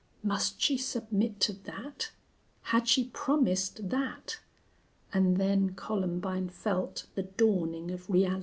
Must she submit to that? Had she promised that? And then Columbine felt the dawning of realities.